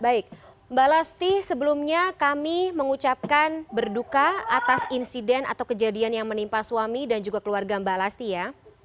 baik mbak lasti sebelumnya kami mengucapkan berduka atas insiden atau kejadian yang menimpa suami dan juga keluarga mbak lasti ya